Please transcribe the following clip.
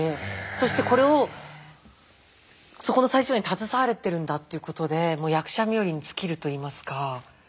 そしてこれをそこの最初に携われてるんだっていうことで役者冥利に尽きるといいますか。